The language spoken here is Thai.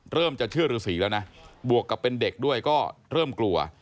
จะเชื่อฤษีแล้วนะบวกกับเป็นเด็กด้วยก็เริ่มกลัว